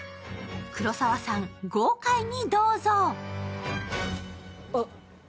黒沢さん、豪快にどうぞ。